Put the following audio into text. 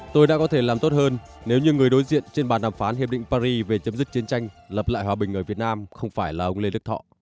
tôi đã có thể làm tốt hơn nếu như người đối diện trên bàn đàm phán hiệp định paris về chấm dứt chiến tranh lập lại hòa bình ở việt nam không phải là ông lê đức thọ